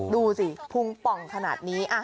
ดูสิพุงป่องขนาดนี้